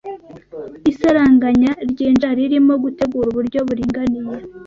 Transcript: Isaranganya ryinjira ririmo gutegura uburyo buringaniye